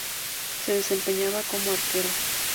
Se desempeñaba como arquero.